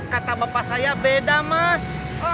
kata bapak saya beda mas